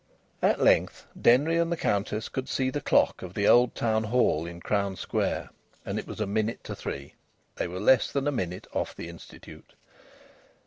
At length Denry and the Countess could see the clock of the Old Town Hall in Crown Square and it was a minute to three. They were less than a minute off the Institute.